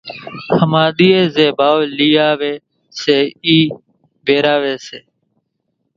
ۿماۮِيئين زين ڀائو لئي آيان سي اِي ويراوي سي،